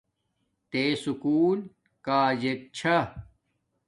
تے سکُول کاجک چھا